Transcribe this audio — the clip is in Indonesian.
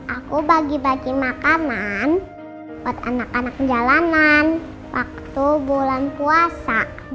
aku bagi bagi makanan buat anak anak jalanan waktu bulan puasa